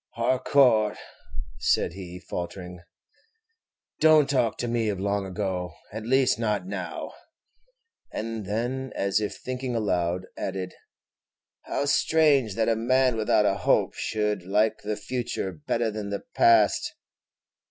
"Harcourt," said he, falteringly, "don't talk to me of long ago, at least not now;" and then, as if thinking aloud, added, "How strange that a man without a hope should like the future better than the past!"